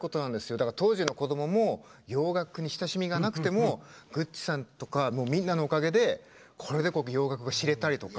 だから、当時の子どもも洋楽に親しみがなくてもグッチさんとかみんなのおかげでこれで洋楽を知れたりとか。